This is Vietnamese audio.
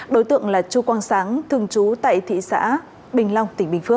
đối tượng là chu quang sáng thường trú tại thị xã bình long